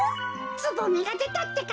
つぼみがでたってか。